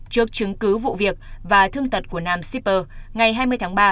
trước chứng cứ vụ việc và thương tật của nam shipper ngày hai mươi tháng ba